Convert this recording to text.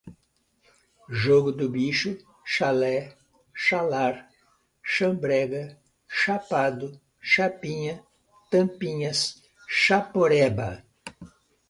jogo do bicho, chalé, chalar, chambrega, chapado, chapinha, tampinhas, chaporeba